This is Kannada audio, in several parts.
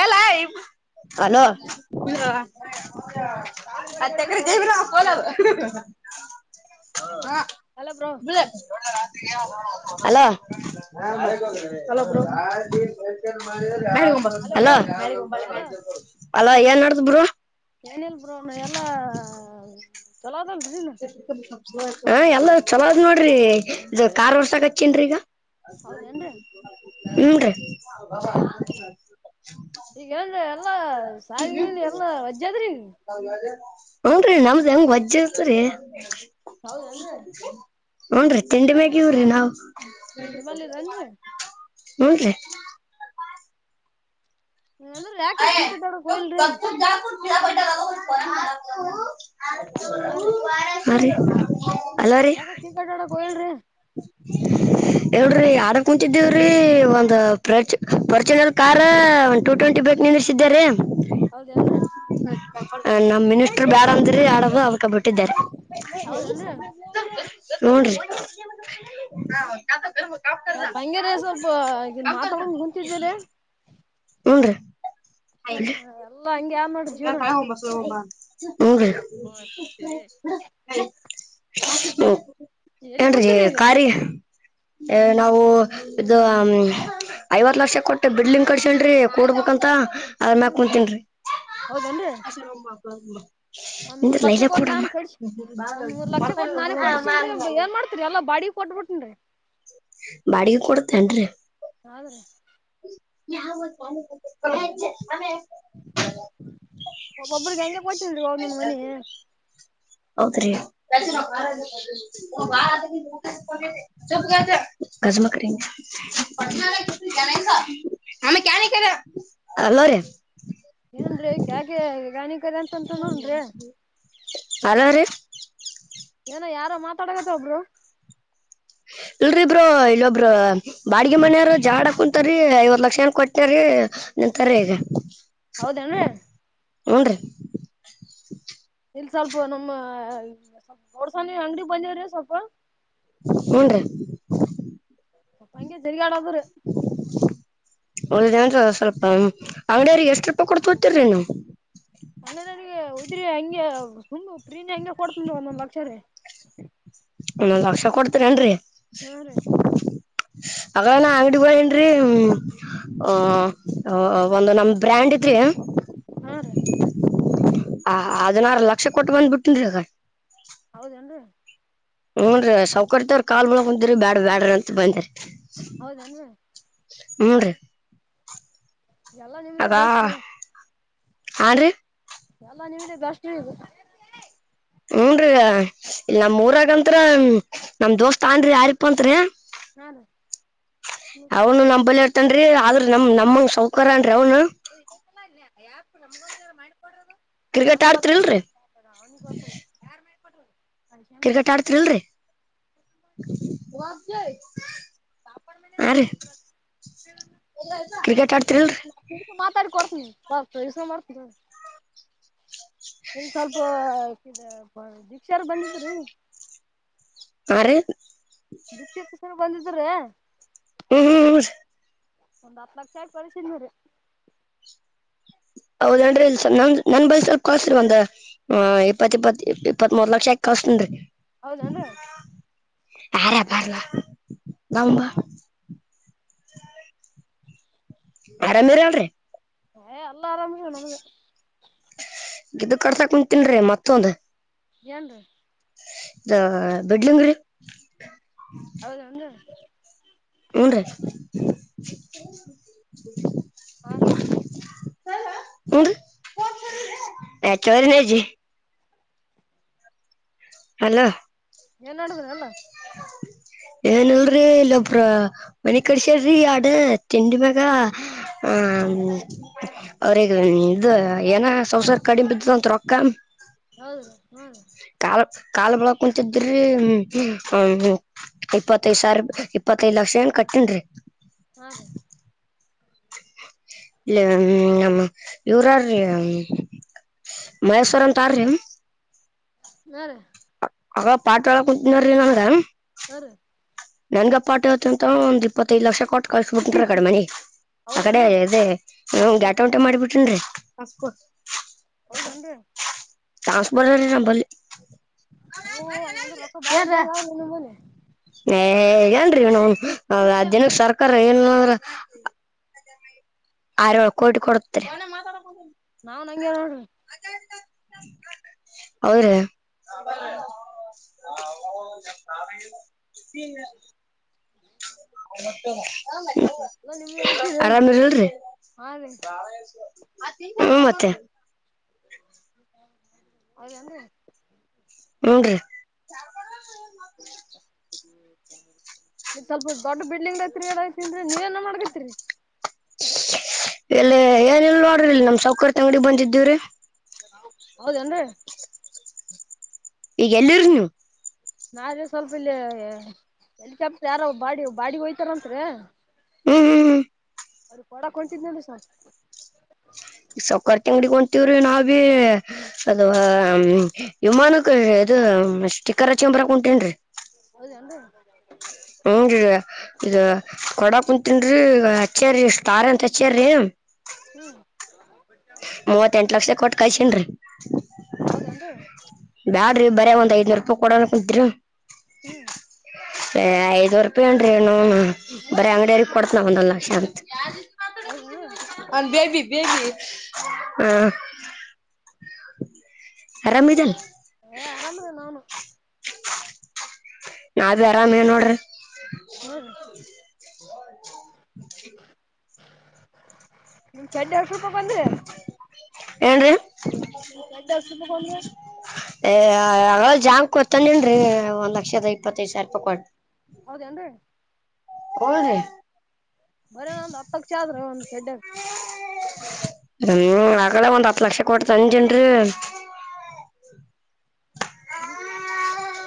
ಏ ಲೈ ಅಲೋ ಹ ಹ ಹಲೋ ಬ್ರೋ ಅಲೋ ಹಲೋ ಹ ಬ್ರೋ ಹಲೋ ಅಲೋ ಏನ್ ನಡದ್ ಬ್ರೋ. ಏನಿಲ್ಲಾ ಬ್ರೋ ಎಲ್ಲಾ ಚಲೋದಲ್. ಹ ಎಲ್ಲ ಚಲೋದ್ ನೋಡ್ರಿ ಇದ್ ಕಾರ್ ವರ್ಸಕ ಹಚ್ನ್ರಿ ಈಗ. ಹೌದೇನ್ರರಿ ಹುನ್ರಿ ಈಗ ಏನ್ರಿ ಎಲ್ಲಾ ಸಾಲಿಗಿಲಿ ಎಲ್ಲಾ ವಜ್ಜದ್ರಿ. ಉಂಡ್ರಿ ನಮ್ದ್ ಹೆಂಗ ವಜ್ಜಾ ಇತ್ರಿ. ಹೌದೇನ್ರಿ ಹುನ್ರಿ ತಿಂಡಿ ಮೇಗಿವ್ರಿ ನಾವ್. ನಿಮ್ಮಲ್ಲಿ ಇದನ್ರಿ ಹುನ್ರಿ ನಲ್ದು ಯಾಕ್ರಿ ಕ್ರಿಕಟೋಡಕ್ ಹೋಗಿಲ್ರಿ. ಹಾ ರೀ ಹ ರೀ ಅಲೋ ರೀ ಯಾಕ ಕ್ರಿಕೆಟ್ ಆಡಕ್ ಹೋಗಿಲ್ರಿ ಹಿಳ್ರಿ ಆಡಕ್ ಕುಂತಿದೀವ್ರಿ. ಏ ಒಂದು ಪರ್ ಪರ್ಚುನಲ್ ಕಾರ ಒಂದು ಟೂ ಟ್ವೆಂಟಿ ಬೈಕ್ ನಿಲ್ಲಿಸಿದ್ದಾರೆ. ಹೌದೇನ್ರೀ. ನಮ್ ಮಿನಿಸ್ಟರ್ ಬ್ಯಾಡ್ ಅಂದ್ರಿ ಆಡಾದ ಅದ್ಕ ಬಿಟ್ಟಿದೆರಿ. ಹೌದೇನ್ರಿ ಹುನ್ರಿ ಸ್ವಲ್ಪ ಹಂಗೆರಿ ಸ್ವಲ್ಪ ಈನ್ ಮಾತಡೋನ್ ಕುಂತಿದ್ದೆರಿ. ಹುನ್ರಿ [unintelligible] ಎಲ್ಲಾ ಹಂಗೆ ಆದ್ ನೋಡ್ರಿ ಜೀವನ ಹುನ್ರಿ [unintelligible] ಎಲ್ಲಿ ಏನ್ರಿ ಕುಂತೀರಿ ಈಗ ಖಾರಿ. ಏ ನಾವು ಇದು ಐವತ್ ಲಕ್ಷ ಕೊಟ್ಟು ಬಿಡ್ಲಿಂಗ್ ಕಡ್ ಲ್ರಿ ಕೂಡ್ಬೇಕಂತ ಅದ್ಮ್ಯಾಗ್ ಹ್ಮ್ ಕುಂತಿನ್ರಿ. ಹೌದೇನ್ರಿ ಒಂದ್ ಮೂರ್ ಲಕ್ಷ ಕೋಟ್ ನಾನ್ ಕಡ್ಸ್ ಒಂದ್ ಮೂರ್ ಲಕ್ಷ ಕೋಟ್ ನಾನೇ ಕಡ್ಸನ್ರಿ ಏನ್ ಮಾಡ್ತರಿ ಎಲ್ಲ ಬ ಡಿ ಕೋಟ್ಬುಟಿನ್ರಿ. ಬಾಡಿಗೆ ಕೊಡ್ತೇನ್ರಿ. ಆದ್ರೆ [unintelligible] ಒಬ್ ಒಬ್ರಿಗ್ ಹಂಗೆ ಕೊಟ್ಟಲ್ರಿ ಒಂದೊಂದ್ ಮನಿ. ಹೌದ್ರಿ [unintelligible] [unintelligible] ಹೌದ್ರಿ ಗಜ್ಮ್ ಕರಿಂಗ್ [unintelligible] [unintelligible] ಅಲೋ ರೀ ಏನ್ರೀ ಕ್ಯಾಕೆ ಗಾಣಿ. ಅಲೋ ರೀ. ಏನೋ ಯಾರೋ ಮಾತಾಡಕತರ ಬ್ರೋ. [unintelligible] ಇಲ್ರಿ ಬ್ರೋ ಇಲ್ಲೊಬ್ರ ಬಾಡಿಗೆ ಮನೆಯ್ವರ ಜಾಗಳಾಡಕುಂತ್ಯಾರಿ ಐವತ್ ಲಕ್ಷನ್ ಕೊಟ್ಟನ್ರೀ. ಎಂತಾರೆ ಇಗ. ಹೌದೇನ್ರಿ. ಹುನ್ರಿ ಇಲ್ ಸ್ವಲ್ಪ ನಮ್ಮ ಸ್ವಲ್ ಗೌಡ್ಸನಿ ಅಂಗ್ಡಿಗ್ ಬಂದೇವ್ರಿ ಸ್ವಲ್ಪ. ಹುನ್ರಿ ಹಂಗೆ ತಿರ್ಗಾಡದ್ರಿ ಒದ್ ಏನ್ರೀ ಸ್ವಲ್ಪ್ ಹ್ಮ ಅಂಗ್ಡಿಯ್ರಿಗೆ ಎಷ್ಟ್ ರೂಪಾಯಿ ಕೊಡ್ತಕತಿರ್ರಿ ನೀವು. ಅಂಗ್ಡಿನರಿಗೆ ಉದ್ರಿ ಹಂಗೆ ಹುಂಡು ಪ್ರೀನಿ ಹಂಗೆ ಕೊಡ್ತಿ ಒಂದೊಂದ್ ಲಕ್ಷರೀ. [unintelligible] ಓನ್ನೊಂದ್ ಲಕ್ಷ ಕೊಡ್ತಿರ್ ಏನ್ರಿ. ಹುರೀ ಅಗನ ಅಂಗ್ಡಿ ಹೋಗ್ಯಾನ್ರಿ. ಹ ಹ ಒಂದು ನಮ್ ಬ್ರ್ಯಾಂಡ್ ಇತ್ರಿ. ಹ ಹಾ ರೀ ಅದ್ನಾರ ಲಕ್ಷ ಕೊಟ್ ಬಂದ್ಬಿಟ್ಟನ್ರಿ ಅಗ. ಹೌದೇನ್ರಿ ಹೂನ್ರಿ ಸೌಕರ್ತವ್ರ ಕಾಲ್ ಮುಳಗ್ ಕುಂತ್ರಿ ಬ್ಯಾಡ ಬ್ಯಾಡ್ರ ಅಂತ ಬಂದರಿ. ಹೌದೇನೋ ಹ್ಮ್ ರೀ. ಎಲ್ಲ ನಿಮ್ದೇ ಬೆಸ್ಟ್ ಲೇ. ಹಾ ರಿ ಎಲ್ಲ ನಿಮ್ದ ಬೆಸ್ಟ್ ರಿ. ಹನ್್ರೀ ಇಲ್ ನಮ್ೂರಗಂರ ನಮ್ ದೋಸ್ತ್ ಅನ್್ರರಿ ಯಾರಿಪ್ಪತ್ರಿ. ಹ್ಮ ರೀ. ಅವನು ನಮಂಬಲಿ ಇರ್ತನ್ಿ ಆದ್ರ ನಮ ನಮಂಗ ಸೌಕಾರರನ್ರಿ ಅವ್ನು. ಅಲ್ಲ ಯಾು ನಮಗೊಂದ ಮಾಡ. [unintelligible] ಕ್ರಿಕೆಟ್ ನಮಗ್ ಗೊತ್ತ ಆಡ್ತಿರಿಲ್ರಿ ಅವನಿಗೆ ಗತ್ತ ಕ್ರಿಕೆಟ್ ಆಡ್ತೀ ಕ್ರಿಕೆಟ್ ಆಡ್ತಿರಿಲ್ರಿ ಸ ಮಾತಾಡಿ ಕೊ [unintelligible] ಾಸ [unintelligible] ಮಾಡ್ತ ಇನ್ ಸ್ವಲ್ಪ ಹ ದೀಕ್ಷಾರ್ ಬಂದಿದ್ರು [unintelligible] ಹಾ ರೀ ದೃತ್ಯಕ್ಕ ಸನ್ ಬಂದಿದ್ರ [unintelligible] ಹ್ಮ್್ಮ್ಮ ಒಂದ್ ಹತ್ ಲಕ್ಷ ಕಳಸಿದ್ಮಿರಿ ಹೌದನ್್ರಿ ಇಲ್ ನ್ ನನ್ ಬೈ ಸ್ವಲ್ಪ ಕಳ್ಸರಿ ಒಂದ ಹಾ ಇಪ್ಪತ್ ಇಪ್ಪತ್ ಇಪ್ಪತ್ ಮೂರ್ ಲಕ್ಷ ಆಕ್ ಕರ್ಸ್ತನ್ರಿ ಹೌದೇನು ಆರ ಬಾರವಾ ನಂಬ. [unintelligible] ಆರಾಮೇರ ಅವ್ರೀ. [unintelligible] ಹ ಎಲ್ಲ ಆರಾಮಿಕ ನಗೆ. ಇದದು ಕರ್ಸಾಕ [unintelligible] ತಿನ್್ರಿ ಮತ್ತೊಂದು. ಏನ್ರಿ. ಇದ ಬಿಡ್ಲಿಂಗಡಿ. [unintelligible] ಹೌದೌನು. ಹೋರಿ ಹಾಕೆ. [unintelligible] ಹಂದು ನಚರಿ ನಜಿ. [unintelligible] ಹಲೋ ಏನ್ ನಡುವನಲ್ಲ ಏನಲ್ರಿ ಇಲ್ಲೊಬ್ರ ಮನಿ ಕಡಸ್ಯಾರ್ರಿ ಆಡ ತಿಂಡಿ ಮ್ಯಾಗ ಹ್ಮ ಅವ್ರಗ ಇದು ಏನ ಸಂಸಾರ್ ಕಡಿಮ ಇದ್ದದ ಅತ್ ರೊಕ್ಕ [unintelligible] ಹೌದ ರೀ ಹ್ಮದ ಕಾಲ್ ಕಾಲ್ ಬಳ ಕುಂತಿದ್ರೀ ಇಪ್ಪತ್ತೈದ್ ಸಾವಿರ ಇಪ್ಪತ್ತೈದು ಲಕ್ಷ ಏನ್ ಕಟ್ಟನ್ರಿ ಹೌದೀ ಇ್ಮ ನಮ್ಮ ಇವರಾರ ಮೈಸೂರ ಅಂತಾರಿ ಯಾರ [unintelligible] ಆಗ ಪಾಟ್ ಆಳ ಕುೂತ್ನ್ರ ನನಗ ಹ ನನ್್ [unintelligible] ಪಾಟಿ ಹತ್ತು ಅಂತ ಒಂದ ಇಪ್ಪತ್ತೈದ್ ಲಕ್ಷ ಕೊಟ್ಟ ಕಳ್ಸಬಿಟ್ಟಿಂಟ್ರ ಕಡೆಮನೆಿ ಆ ಕಡೆ ಹೌದೇನ್ರಿ ಅದೆೇ [unintelligible] ಗ್ಯಾಟ ಉಂಟೆ ಮಾಡಿಬಿಟೇನ್ರಿ ಹೌದೇನ್ರಿ ಚಾನ್ಸ್ ಬರ ರ ನ ಬಲಿಿ ಹಂದ ರೊಕ್ಕ ಬಾಳ ಇದ್ದಂಗ ಅವ್ರ ನಮ್ಮ ಮನೆ [unintelligible] ಏ ಹೇಗನ್ೀ ನ ಅ್ನ ಸರ್ಕಾರ ಏನ್್ರ [unintelligible] ಆರೊಳಕೋ ಇಟ್ಟು ಕೊಡ್ತರಿ [unintelligible] ನಾನ್ ಹಂಗೆ ನೋಡರಿ. ಹೌದಾ. [inaudible] [inaudible] ಅವತ್ತೇ. [unintelligible] ಹ್ಮ ಮತ್ತ. ಹೌದನ್ರಿ. ಹನ್ನರಿ. ಇ ಸ್ವಲ್ಪ ದೊಡ್ಡ ಬಿಲ್ಡಿಂಗ್ ಐತ್ರಿ ಎತನ್್ರಿ ನೀವ ಏನ ಮಾಡ್ಕತಿರಿ. ಎಲ್ಲ ಏನಲ್ಲ ನೋಡ್ರಿಿಲ್ಲ ನಮ ಸೌಕರ ತ ಅಂಗಡ ಬಂದಿದ್ದೀವ್ರಿ. ಹೌದೇನ್ರಿ. ಈಗೆ ಎಲ್ಲರ್ ನೀವು. ನಾವೆ ಸ್ವಲ್ಪ ಇಲ್ಲಿ ಹೆಲಿಕಾಪ್ಟರ್ ಯಾರೋ ಬಾಡಿ ಬಾಡಿಗೆ ಹೋಯ್ತಾರಂರಿ. ಹ್ಮ್ ಹ್ಮ್ ಹ್ಮ್. ಅವ್ರಿಗೆ ಕೊಡಕ ಕೊಂತಿದ್ನಲ್ಲಸ. ಸೌಕಾರರ್ ತಂಗಡಿ ಹೊಂತೀವ್ರಿ ನಾವ ಭೀ ಅದವಾ ವಿಮಾನಕ್ಕ. ಹಾ ಸ್ಟಿಕ್ಕರ್ ಹಚಕೊಂಡ ಬರಾಕ್ ಹೊಂಟೇನ್ರಿ. [inaudible] ಹಞನ್ರಿ ಇ ಕೊಡ ಕುಂತನ್ರಿ ಹಚ್ಚೇೀಷ್ಟ್ಟಾರ್ ಅಂತ ಹಚ್ಚೇಾರ್ರರಿ. ಹ್ಮ್. ಮೂವತ್ತೆಂಟ್ ಲಕ್ಷ ಕೊಟ್ ಕಳ್ಸೇನ್ರಿ ಹೌದನ್ರಿ. ರಿ ಬರ ಒಂದ್ ಐನೂರು ರೂಪಿ ಕೊಡ ಕುಂತೀರಿ. ಹ್ಮ್. ಐದೂ ರೂಪಾಯಿ ನ್ರಿ ಬರಿ ಅಂಗಡಿಯರಿಗೆ ಕೊಡ್ತನ ಒಂದೊಂದ್ ಲಕ್ಷ ಅಂತ. ಹೌದಾ. ಹ ಆರಾಮ ಇದದೆಲ್ಲ. ಏ ಆರಾಮದ ನಾನು. ನಾ ಬೀ ಅರಾಮೇನ್ ನೋಡ್ರಿ. ಹ್ಞೂ ರೀ [inaudible] ನಿನ ಚೆಡ್ಡಿ ಎಷ್ಟ ರೂಪಾಯಕ ಒಂದ್ರಿ. ಏನ್್ರರಿ. ನಿನ ಚೆಡ್ಡಿ ಎಷ್ಟ ರೂಪಾಯಕ ಒಂದ್ರಿ. ಅವ ಜಾಮ್ ಕೊತಾನನ್ರೀ ಒಂದ್ ಲಕ್ಷದ ಇಪ್ಪತ್ತೈದ ಸಾವಿರ ರೂಪಾಯಿ ಕೊಟ್ಟ. ಹೌದನ್ರಿ. [unintelligible] ಬರ ಒಂದ್ ಹತ್ತ ಲಕ್ಷ ಆದ್ರ ಒಂದು ಚಡ್ಡರ್. ಹ್ಮ್ ಆಗ್ಲೇ ಒಂದ್ ಹತ್ ಲಕ್ಷ ಕೊಟ್ಟ ತಂದಿನೀರಿ. ಹ್ಮ.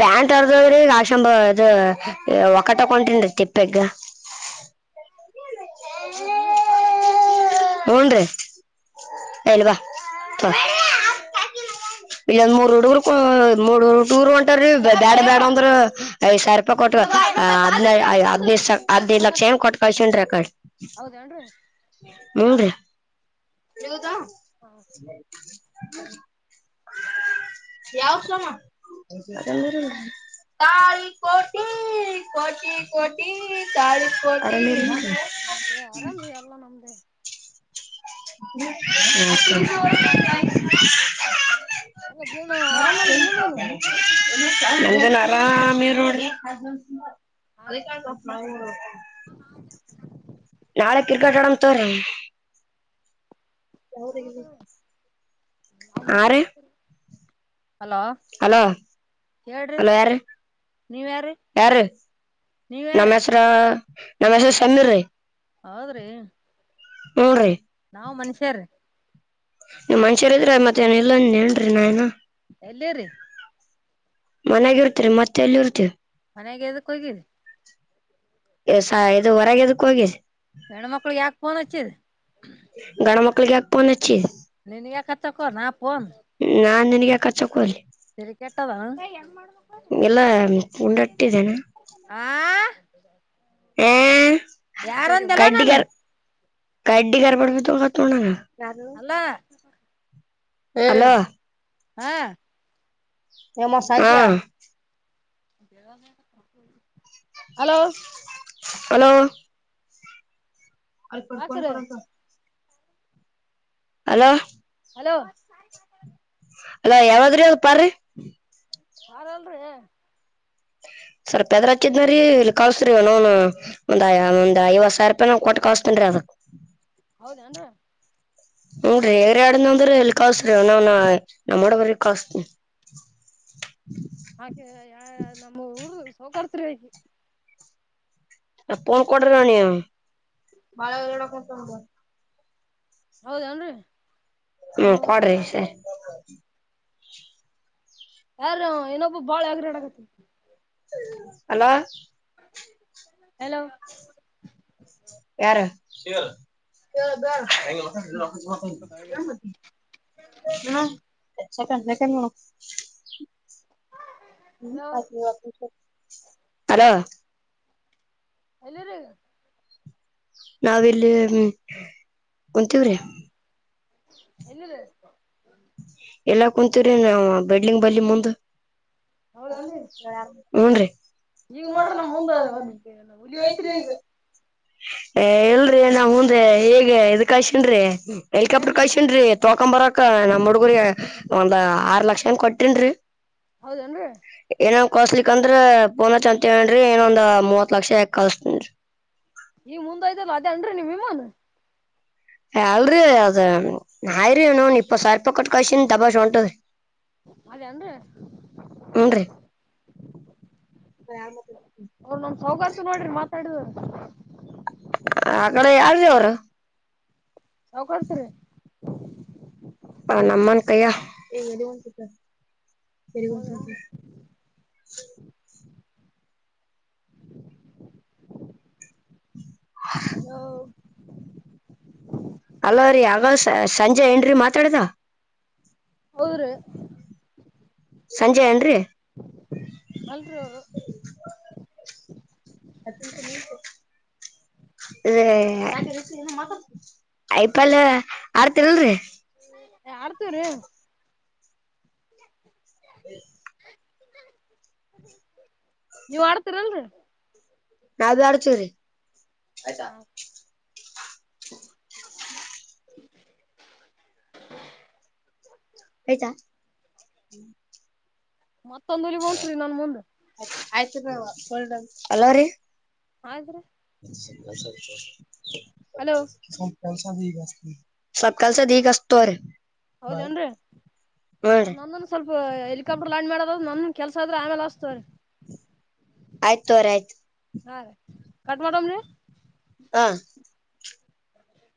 ಪ್ಯಾಂಟ್ ಅರ್ದದ್ರಿ ಕಾಶಂಬ ಅದು ಒಕಟಕೊಂಟನ್ೀ ತಿಪ್ಪೆಗ್. [inaudible] ಹೌದೇನ್ರಿ [unintelligible] ಇಲ್ಲಂದ್ ಮೂ ಡುರು ಮೂರುರು. ಬೇಡ ಬೇಡ ಅಂದ್ರ ಐದ ಸಾರ್ ರೂಪಾಯಿ ಕೊಟ್ಟದ್ ಹದ್ೈದು ಹದ್ಿನೈದು ಲಕ್ಷ. [unintelligible] ಹೌದ ಏನ್್ರರಿ. [inaudible] [inaudible] ತಳಿ ಕೋಟಿ ಕೋಟಿ ಕೋಟಿ ತಳಿ ಕೋಟಿ. ಯರಾಮೂ ಎಲ್ಲ ನಮ್ದೇ. [unintelligible] [unintelligible] ಎಲ್ಲ ಜೀವನ ಹಾ. ಆರಾಮಲ್ರಿ ನಿಮ್ದುನು ಅ ಆರಾಮ ರೋಡರಿ. [unintelligible] ಅದಾಯ. ನಾಳೆ ಕ್ರಿಕೆಟ್ ಆಡ ಅಂಥವರೇ. [inaudible] ಹಲೋ ಹಲೋ ಹೇಳ್ರಿ ಹಲೋ ಯಾರು ನೀವ್ ಯಾರೀ ಯಾರು. ನೀವ್ ಯಾರೀ ನಮ್ಸ್ರೋ ನಮ್ಮಿಸ್ಸು ಸನ್ನಿ ರಿ. ಹೌದ್ರಿ. ಹೂ ರೀ. ನಾವ್ ಮನುಷ್ಯರ. ನೀವ್ ಮನುಷ್ಯರ ಇದ್ರೆ ಮತ್ತೆ ಏನ್ ಇಲ್ಲಂದ ನ್ರಿ ನಾಯನ. ಎಲ್ಲಿರೀ. ಮನಗ ಇರ್ತರಿ ಮತ್ತೆ ಎಲ್ಲಿ ಇರ್ತೀವಿ. ಮನೆಗೆದಕ್ಕ ಹೋಗಿದೆ. ಸ ಇದು ಹೊರಗೆದಕ್ಕ ಹೋಗ. ಹೆಣ್ಮಕ್ಳಗ್ ಯಾಕೆ ಫೋನ್ ಹಚ್ಚಿದ್. ಗಂಡು ಮಕ್ಕಳಿಗೆ ಯಾಗ ಪೋನ್ ಅ. ನೀನ್ ಯಾಕತ್ತಕ್ಕೋನ್ ಆಪೋನ್. ನಾನ್ ನನಗೆ ಕಚ್ಚಕೊಗ್ಲಿ. ತಳಿ ಕೆಟ್ಟದಾ ಎಲ್ಲ ಉಂಡಟ್ಟಿದ್ದೇನ ಆ. ಹ. [inaudible] ಏ ಯಾರೊಂದಲ್ಲ ನಾನು. ಕಾಯಡ್ಡಿಗಾರ. [unintelligible] ಅಲ್ಲ. ಹಲೋ. ಹಾ. [unintelligible] ಹಲೋ. ಹಲೋ. ಹಾಕ್ರಿ [unintelligible] ಅಲೋ ಹಲೋ ಅಲ್ಲಾ ಯಾವದ್ರ ಅ ಪಾರಿ. ಯಾರ ಅಲ್ರಿ. ಸ್ವಲ್ಪ ಹೆದ್ರ ಹಚ್ಚಿದ್ ನ್ರರಿ ಇಲ್ಲಿ ಕಳಸ್ರಿವ ನ ಒಂದ್ ಒಂದ್ ಐವ ಸಿ ರೂಪಾಯಿ ಕೊಟ್ಟ ಕಳ್ಸ್ತನ್ರಿ. [unintelligible] ಹೌದೇನ್ರಿ ಹ್ರೀಯಾಡನಂದ್ರ ಎಲ್ಲಿ ಕಸ್ಅವನನ ನಮ್ಮಡ ಬರಿ ಕಸ್. [unintelligible] [inaudible] ಹಾಕೆ ಯ ನಮ್ಮ ಊರ್ ಸೋಕಾಡ್ತಿರಿಕಿ. ಆ ಪೂನ್ ಕೂಡ್ರಿ ಅವನಿಗಿ. ಹೌದೇನ್ರಿ. ಹ್ಮ್ ಕೊಡ್ರಿ ಸರ್. ಯಾರು ಅವ ಇನೊಬ್ಬ ಬಾಳ ಯಗ್ರಾಡಕತ್ತಾನ. ಹಲೋ. ಹಲೋ. ಯಾರ. [unintelligible] [unintelligible] [unintelligible] ಮೇಸೆಜ್ ನೂಡಮ್. Hello hello. ಎಲ್ಲಿರೀ ನಾವಿಲ್ಲಿ ಕುಂತಿವ್ರಿ ಎಲ್ಲಿರಿ ಇಲ್ಲೇ ಕುಂತಿವ್ರಿ ನಾವು ಬಿಲ್ಡಿಂಗ್ ಬಳಿ ಮುಂದೆ ಹೌದನ್ರಿ ಹೂನ್ರಿ ಈಗ ನೋಡ್ರಿ ನಮ್ ಮುಂದ ಒಂದ್ ಹುಲಿ ಐತ್ರಿ ಈಗ ಎಲ್ರರಿ ನಾವ್ ಮುಂದೆ ಹೇಗೆ ಇದ್ ಕಾಯಿಸಿನ್ರಿ ಹೆಲಿಕಾಪ್ಟರ್ ಏನ್ರಿ ಕಳ್ಸಿನ್ರಿ ಹಾಕಂಬರಕ್ ನಮ್ಮ ಹುಡುಗರ್ ಒಂದ್ ಆರ್ ಲಕ್ಷ ಏನ್ ಕೊಟ್ಟಿನ್ರಿ ಹೌದೇನ್ರಿ ಕಸ್ಲಿಕ ಅಂದ್ರ ಪೋನ ಅಚ್ಚ ಅಂತ ಹೇಳಿನ್ರಿ ಇನೊಂದ್ ಮೂವತ್ ಲಕ್ಷ ಯಾಕ ಕಳಸ್ತನ್ರಿ ಈ ಮುಂದ ಹೋಯ್ತಲ್ಲ ಅದೇ ಅನ್ರಿ ನೀಮ್ ವಿಮನ ಅಲ್ರಿ ಅದ್ ಐಯ್ರಿ ಇನ್ನೊಂದು ಇಪ್ಪತ್ತು ಸಾವಿರ ರೂಪಾಯಿ ಕೊಟ್ಟಿ ಕಳಿಸಿನಿ ತಬಾಷ ಹೊಂಟದರಿ ಅದೇ ಅನ್ರಿ ಹ್ಞೂನ್ರಿ [unintelligible] ನೋಡ್ರಿ ಮಾತಾಡುದು ಆಕಡೆ ಯಾರೀ ಅವರು ಲೋಕಾಯುಕ್ತರಿ [unintelligible] ಹೌದನ್ರೀ ಹಲೋ ಹಲೋ ರೀ ಆಗ ಸಂಜೆ ಏನ್ರಿ ಮಾತಾಡದ ಹೌದ್ರಿ ಸಂಜೆ ಏನ್ರಿ ಅಲ್ರೀ ಅವರು [unintelligible] ಅದ ಐಪಿಲ್ ಆಡ್ತಿರಲ್ರಿರಿ ಹೇ ಆಡ್ತಿವ್ರಿ [inaudible] [unintelligible] ನೀವ್ ಆಡ್ತೀರಾಲ್ರಿ ಆಡ್ತಿವ್ರಿ ಆಯ್ತಾ ಮತ್ತೊಂದ್ ಹುಲಿ ಬಂತ್ರೀ ನನ್ ಮುಂದೆ ಹಲೋ ರೀ ಆದ್ರೆ [unintelligible] ಸಲ್ಪ ಕೆಲಸ ಆದ ಈಗ ಅಚ್ಚತಿನನಿ ತಗೂರಿ ಹೌದೇನ್ರಿ ನಮ್ಮೂನು ಸ್ವಲ್ಪ ಹೆಲಿಕಾಪ್ಟರ್ ಲ್ಯಾಂಡ್ ಮಾಡೋದಾದ ನಂದುನು ಕೆಲಸ ಆದರೀ ಆಮೇಲೆ ಹಚ್ಚತಿನಿ ತಗೂರೀ ಆಯ್ತು ತಕೋರಿ ಆಯ್ತು ಹಾರೀ ಕಟ್ ಮಾಡಮ್ರೀ ಹಾ.